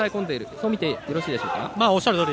そうみてよろしいでしょうか？